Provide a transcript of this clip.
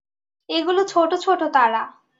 এগুলো ছোট ছোট তারা।